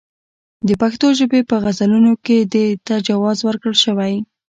د پښتو ژبې په غزلونو کې دې ته جواز ورکړل شوی.